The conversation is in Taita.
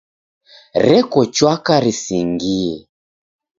Reko chwaka risingie.